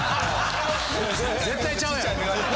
絶対ちゃうやろ！